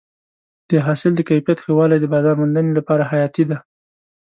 د حاصل د کیفیت ښه والی د بازار موندنې لپاره حیاتي دی.